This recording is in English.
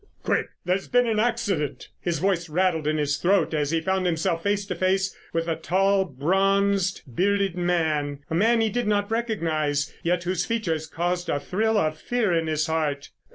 "Quick—there has been an accident!" His voice rattled in his throat as he found himself face to face with a tall, bronzed, bearded man—a man he did not recognise, yet whose features caused a thrill of fear in his heart.